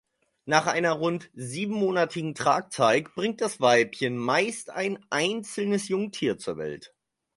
Nach einer rund siebenmonatigen Tragzeit bringt das Weibchen meist ein einzelnes Jungtier zur Welt.